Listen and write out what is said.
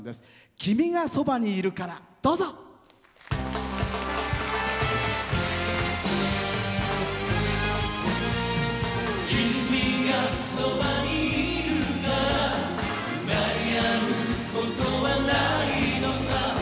君がそばにいるから悩むことはないのさ